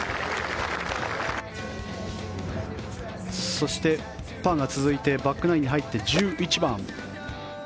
そして、パーが続いてバックナインに入って１１番。